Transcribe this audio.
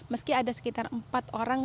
meski ada sekitar empat orang